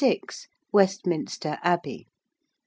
36. WESTMINSTER ABBEY.